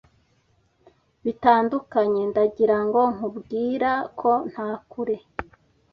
bitandukanye ndagirango nkubwira ko nta kure